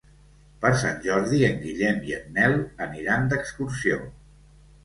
Per Sant Jordi en Guillem i en Nel aniran d'excursió.